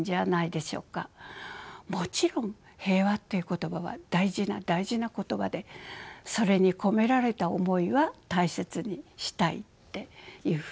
もちろん「平和」という言葉は大事な大事な言葉でそれに込められた思いは大切にしたいっていうふうには思っています。